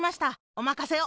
おまかせを！